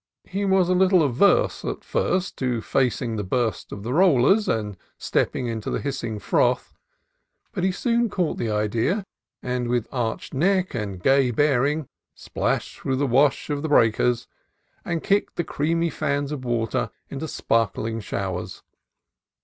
He was a little averse at first to facing the burst of the rollers and stepping into the hissing froth, but he soon caught the idea, and with arched neck and gay bearing splashed through the wash of the break ers, and kicked the creamy fans of water into spark ling showers.